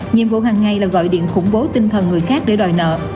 nhiệm vụ hàng ngày là gọi điện khủng bố tinh thần người khác để đòi nợ